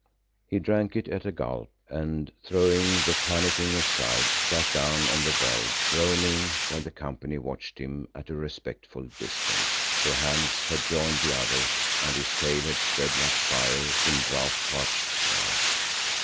He drank it at a gulp and throwing the pannikin aside, sat down on the veld, groaning while the company watched him at a respectful distance, for Hans had joined the others and his tale had spread like fire in drought parched grass.